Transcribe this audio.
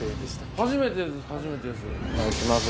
初めてです。